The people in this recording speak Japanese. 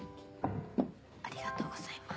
ありがとうございます。